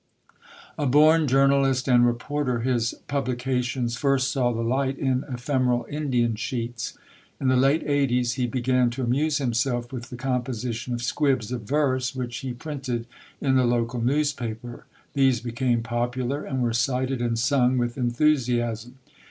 A born journalist and reporter, his publications first saw the light in ephemeral Indian sheets. In the late eighties he began to amuse himself with the composition of squibs of verse, which he printed in the local newspaper; these became popular, and were cited and sung with enthusiasm.